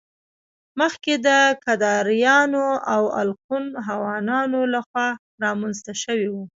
مخکې د کيداريانو او الخون هونانو له خوا رامنځته شوي وو